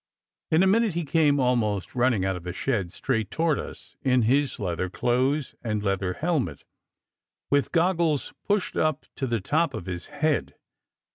In a minute he came almost running out of the shed straight toward us, in his leather clothes and leather helmet, with goggles pushed up to the top of his head.